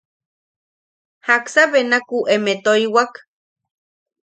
–¿Jaksa benakumeʼe toiwak?